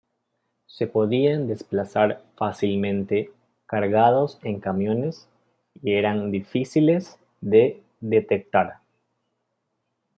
Se podían desplazar fácilmente cargados en camiones y eran difíciles de detectar.